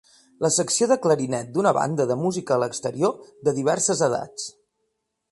La secció de clarinet d'una banda de música a l'exterior, de diverses edats.